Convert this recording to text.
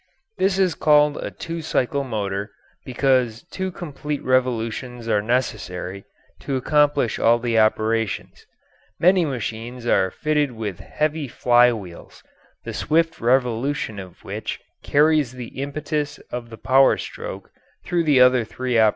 This is called a two cycle motor, because two complete revolutions are necessary to accomplish all the operations. Many machines are fitted with heavy fly wheels, the swift revolution of which carries the impetus of the power stroke through the other three operations.